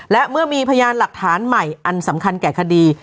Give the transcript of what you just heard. และเมื่อมีพยานหลักฐานใหม่อันสำคัญแก่คดี